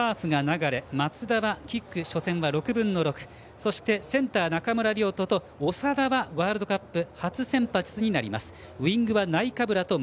スクラムハーフが流松田はキック６分の６センター、中村亮土と長田はワールドカップ初先発になります。